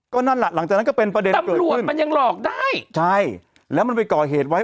ก็นั่นล่ะหลังจากนั้นก็เป็นประเด็นเกิดขึ้นใช่แล้วมันไปก่อเหตุไว้